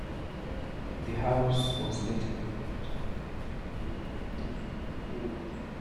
The house was later rebuilt.